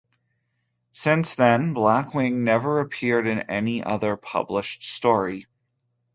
Since then, Blackwing never appeared in any other published story.